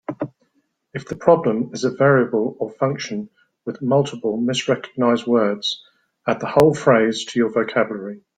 If the problem is a variable or function with multiple misrecognized words, add the whole phrase to your vocabulary.